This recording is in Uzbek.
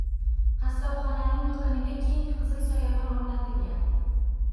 Qassobxonaning biqiniga keng qizil soyabon o‘rnatilgan